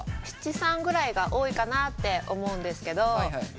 七三ぐらいが多いかなって思うんですけど。